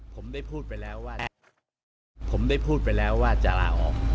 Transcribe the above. ผมได้พูดไปแล้วว่าผมได้พูดไปแล้วว่าจะลาออก